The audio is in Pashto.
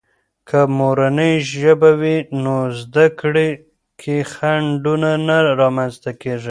که مورنۍ ژبه وي، نو زده کړې کې خنډونه نه رامنځته کېږي.